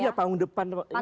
iya panggung depannya